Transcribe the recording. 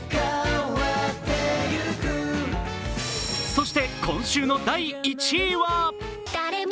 そして今週の第１位は？